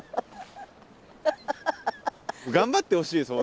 頑張ってほしいです